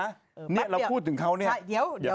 พัดเดี๋ยวเดี๋ยวเดี๋ยวจริง